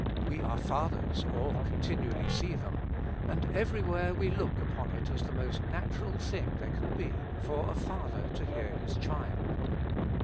We are fathers, or continually see them; and every where we look upon it as the most natural thing there can be, for a father to hear his child.